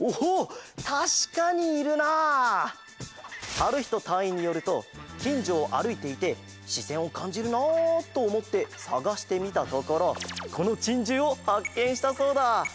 はるひとたいいんによるときんじょをあるいていてしせんをかんじるなとおもってさがしてみたところこのチンジューをはっけんしたそうだ。